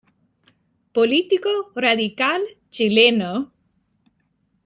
Político radical chileno.